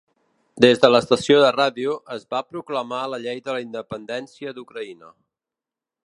Des de l'estació de ràdio, es va proclamar la Llei de la Independència d'Ucraïna.